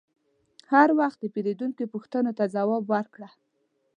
هر وخت د پیرودونکي پوښتنو ته ځواب ورکړه.